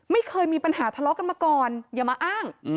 ไม่เคยมีปัญหาทะเลาะกันมาก่อนอย่ามาอ้าง